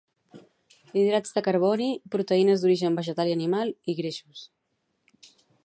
Hidrats de carboni, proteïnes d'origen vegetal i animal, i greixos.